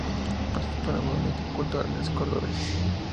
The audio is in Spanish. Participó en los movimientos culturales cordobeses.